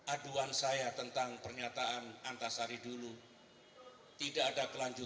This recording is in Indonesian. aduan saya tentang pernyataan antasari dulu